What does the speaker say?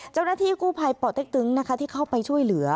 เจ้าหน้าที่กู้ภัยป่อเต็กตึงนะคะที่เข้าไปช่วยเหลือ